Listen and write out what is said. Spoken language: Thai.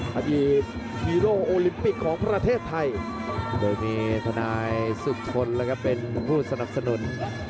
คดีฮีโร่โอลิมปิกของประเทศไทยโดยมีทนายศึกชนแล้วก็เป็นผู้สนับสนุน